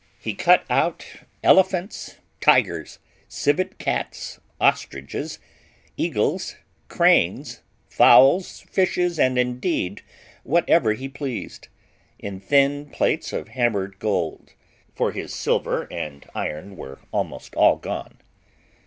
He cut out elephants, tigers, civet cats, ostriches, eagles, cranes, fowls, fishes, and indeed whatever he pleased, in thin plates of hammered gold, for his silver and iron were almost all gone.